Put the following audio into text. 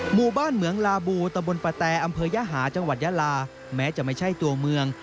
หมู่บ้านเหมืองลาบูตะบนปะแตอำเภอยหาจังหวัดยาลาแม้จะไม่ใช่ตัวเมือง